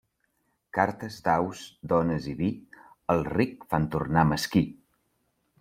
Cartes, daus, dones i vi, al ric fan tornar mesquí.